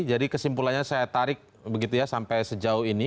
jadi kesimpulannya saya tarik begitu ya sampai sejauh ini